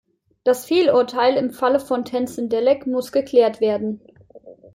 Das Fehlurteil im Falle von Tenzin Delek muss geklärt werden.